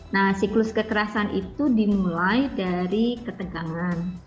nah siklus kekerasan itu dimulai dari ketegangan